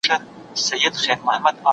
قلمي خط د معلوماتو د خپلولو غوره لاره ده.